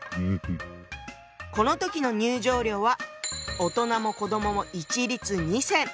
この時の入場料は大人も子どもも一律２銭。